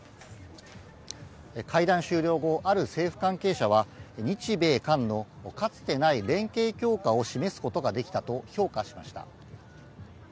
会談終了後、ある政府関係者は、日米韓のかつてない連携強化を示すことができたと評価しました。